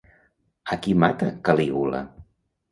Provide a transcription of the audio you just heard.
A qui mata Calígula?